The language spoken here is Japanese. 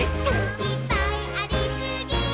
「いっぱいありすぎー！！」